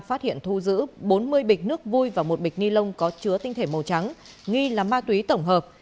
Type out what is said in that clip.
phát hiện thu giữ bốn mươi bịch nước vui và một bịch ni lông có chứa tinh thể màu trắng nghi là ma túy tổng hợp